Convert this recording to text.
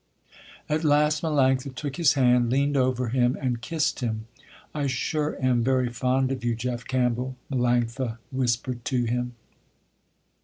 At last Melanctha took his hand, leaned over him and kissed him. "I sure am very fond of you, Jeff Campbell," Melanctha whispered to him.